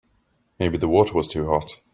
Maybe the water was too hot.